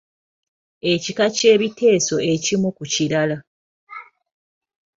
Ekika ky'ebiteeso ekimu ku kirala.